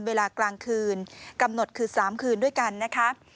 เวลากลางคืนกำหนดคือ๓คืนด้วยกันนะคะ